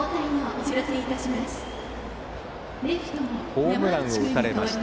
ホームランを打たれました。